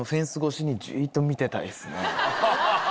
じっと見てたいですね。